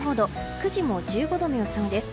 ９時も１５度の予想です。